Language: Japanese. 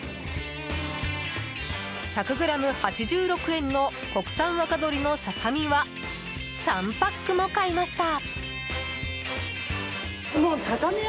１００ｇ８６円の国産若鶏のササミは３パックも買いました。